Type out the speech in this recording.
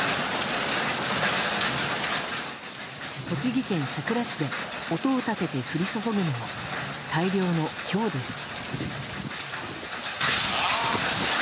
栃木県さくら市で音を立てて降り注ぐのは大量のひょうです。